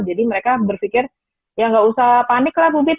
jadi mereka berpikir ya nggak usah panik lah bu bit